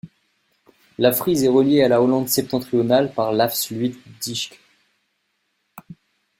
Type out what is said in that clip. La Frise est reliée à la Hollande-Septentrionale par l'Afsluitdijk.